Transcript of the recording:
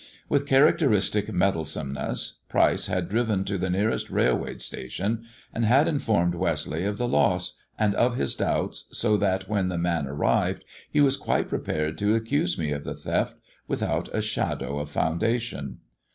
With characteristic meddlesomeness Pryce had driven to the nearest railway station, and had informed Westleigh of the loss, and of his doubts, so that when the man arrived he was quite prepared to accuse me of the theft without a shadow of foundation.